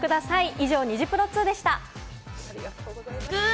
以上、ニジプロ２でした。